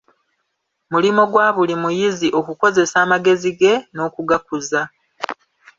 Mulimo gwa buli muyizi okukozesa amagezi ge n'okugakuza.